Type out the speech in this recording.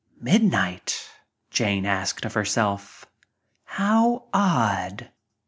Midnight?" asked Jane of herself. "How odd."